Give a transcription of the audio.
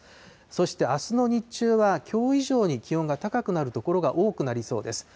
そしてあすの日中はきょう以上に気温が高くなる所が多くなりそうです。